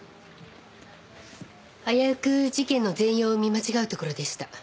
危うく事件の全容を見間違うところでした。